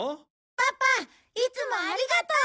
パパいつもありがとう。